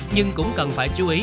nhưng cũng cần phải chú ý